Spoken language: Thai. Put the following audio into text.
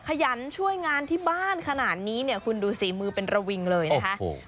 ขยันช่วยงานที่บ้านขนาดนี้เนี่ยคุณดูฝีมือเป็นระวิงเลยนะคะ